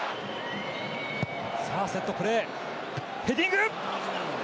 セットプレーヘディング！